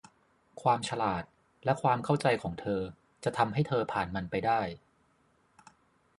ความฉลาด และความเข้าใจของเธอจะทำให้เธอผ่านมันไปได้